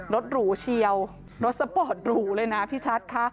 รถหรูเชียวรถสะพดหรูเลยนะพี่ชัดคะ